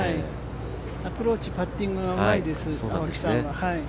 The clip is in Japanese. アプローチ、パッティングうまいです、青木さんは。